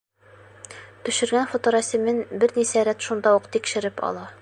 Төшөргән фоторәсемен бер нисә рәт шунда уҡ тикшереп ала.